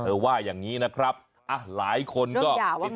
เธอว่าอย่างงี้นะครับอ่ะหลายคนก็เรื่องใหญ่ว่าไง